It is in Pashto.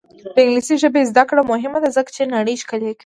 د انګلیسي ژبې زده کړه مهمه ده ځکه چې نړۍ ښکلې کوي.